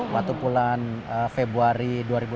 waktu bulan februari dua ribu delapan belas